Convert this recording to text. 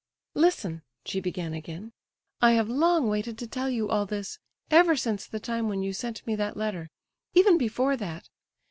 "Listen," she began again; "I have long waited to tell you all this, ever since the time when you sent me that letter—even before that.